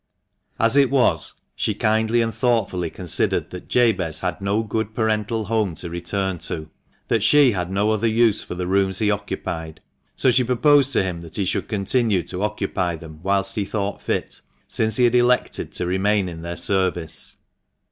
As it was, she kindly and thoughtfully considered that Jabez had no good parental home to return to; that she had no other use for the rooms he occupied, so she proposed to him that he should continue to occupy them whilst he thought fit, since he had elected to remain in their service.